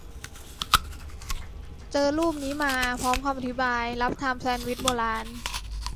เจอรูปนี้มา พร้อมคำอธิบาย "รับทำ แซนวิชโบราณ"